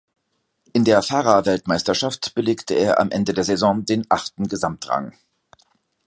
In der Fahrerweltmeisterschaft belegte er am Ende der Saison den achten Gesamtrang.